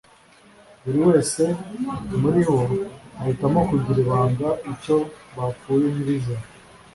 Buri wese muri bo ahitamo kugira ibanga icyo bapfuye nyir’izina